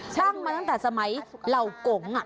ตั้งมันตั้งแต่สมัยเหล่าโก๋ง